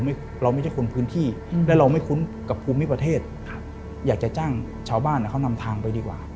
เราไม่ใช่คนพื้นที่และเราไม่คุ้นกับภูมิประเทศอยากจะจ้างชาวบ้านเขานำทางไปดีกว่า